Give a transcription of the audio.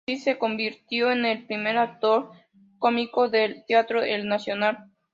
Así se convirtió en el primer actor cómico del Teatro El Nacional.